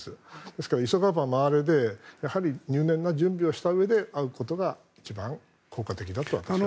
ですから急がば回れで入念な準備をしたうえで会うことが一番効果的だと思います。